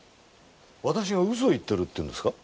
私が嘘を言ってるっていうんですか？